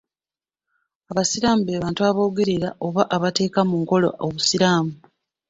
Abasiraamu be bantu abagoberera oba abateeka mu nkola obusiraamu.